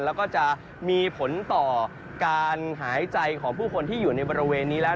แล้วก็จะมีผลต่อการหายใจของผู้คนที่อยู่ในบริเวณนี้แล้ว